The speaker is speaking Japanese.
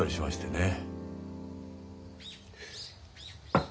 ねえ！